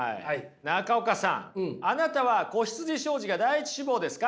中岡さんあなたは子羊商事が第１志望ですか？